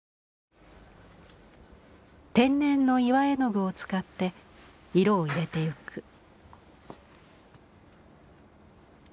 天然の岩絵具を使って色を入れていく。